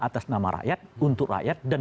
atas nama rakyat untuk rakyat dan